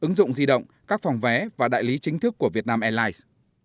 ứng dụng di động các phòng vé và đại lý chính thức của vietnam airlines